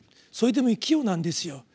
「それでも生きよ」なんですよ。